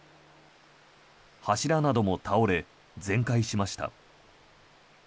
柱なども倒れ、全壊しました。